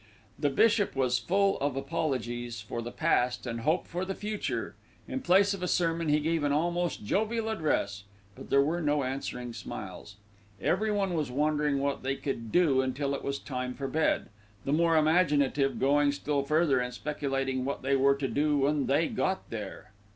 The bishop was full of apologies for the past and hope for the future. In place of a sermon he gave an almost jovial address; but there were no answering smiles. Everyone was wondering what they could do until it was time for bed, the more imaginative going still further and speculating what they were to do when they got there.